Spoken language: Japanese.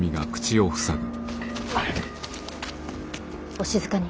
お静かに。